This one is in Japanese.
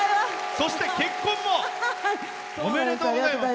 そして、結婚もおめでとうございます。